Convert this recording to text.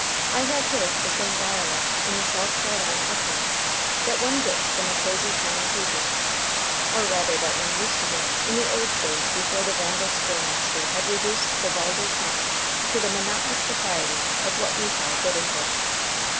I have heard the same dialect in the South Carolina uplands that one gets from a Posey County Hoosier, or rather that one used to get in the old days before the vandal school master had reduced the vulgar tongue to the monotonous propriety of what we call good English.